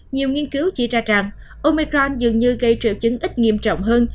nhiều nghiên cứu chỉ ra rằng omegram dường như gây triệu chứng ít nghiêm trọng hơn